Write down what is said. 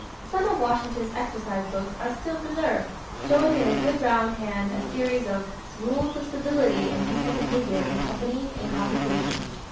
Some of Washington's exercise books are still preserved, showing in a good round hand a series of "Rules of Civility and Decent Behavior in Company and Conversation."